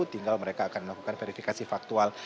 tinggal mereka akan melakukan verifikasi faktual